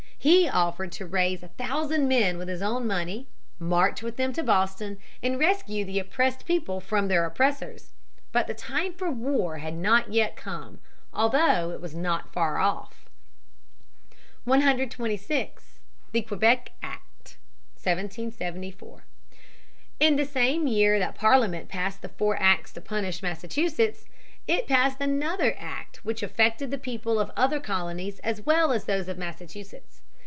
He offered to raise a thousand men with his own money, march with them to Boston, and rescue the oppressed people from their oppressors. But the time for war had not yet come although it was not far off. [Sidenote: The Quebec Act, 1774.] 126. The Quebec Act, 1774. In the same year that Parliament passed the four acts to punish Massachusetts, it passed another act which affected the people of other colonies as well as those of Massachusetts.